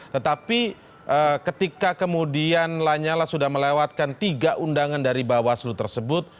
tetapi ketika kemudian lanyala sudah melewatkan tiga undangan dari bawaslu tersebut